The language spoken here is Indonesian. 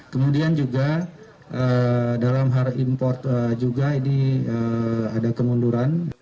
kemudian juga dalam hal import juga ini ada kemunduran